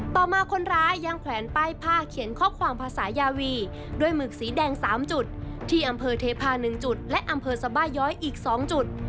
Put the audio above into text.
ต่อมาคนร้ายยังแขวนป้ายผ้าเขียนข้อความภาษายาวีด้วยหมึกสีแดง๓จุดที่อำเภอเทพา๑จุดและอำเภอสบาย้อยอีก๒จุด